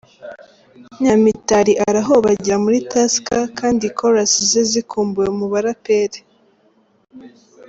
Nyamitali arahobagira muri Tusker kandi chorus ze zikumbuwe mu baraperi,.